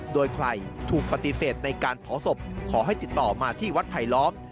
โดยใครถูกปฏิเสธในการเผาศพขอให้ติดต่อมาที่วัดไผลล้อม